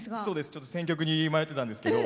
ちょっと選曲に迷ってたんですけど